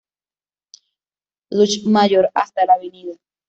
Llucmajor hasta la Av.